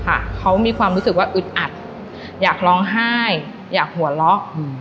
เขามีความรู้สึกว่าอึดอัดอยากร้องไห้อยากหัวเราะ